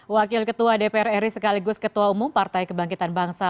wakil ketua dpr ri sekaligus ketua umum partai kebangkitan bangsa